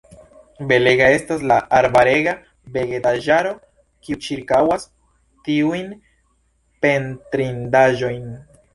Belega estas la arbarega vegetaĵaro, kiu ĉirkaŭas tiujn pentrindaĵojn.